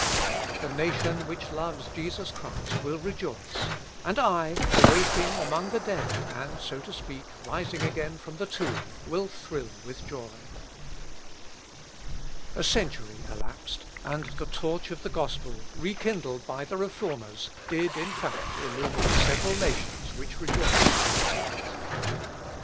The nation which loves Jesus Christ will rejoice; and I, awaking among the dead, and, so to speak, rising again from the tomb, will thrill with joy." Huss. Ep. sub. Temp. Concuii Scriptæ. A century elapsed, and the torch of the Gospel, rekindled by the Reformers, did, in fact, illumine several nations which rejoiced in its light.